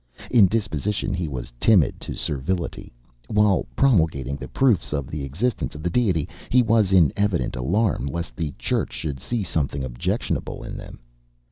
In disposition he was timid to servility. While promulgating the proofs of the existence of the Deity, he was in evident alarm lest the Church should see something objectionable in them.